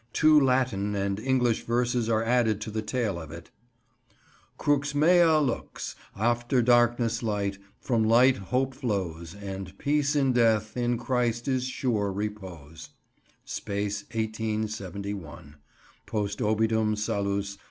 Two Latin and English verses are added to the tale of it— "Crux mea lux, After darkness light. From light hope flows. And peace in death, In Christ is sure repose. Spes 1871. Post obitum Salus.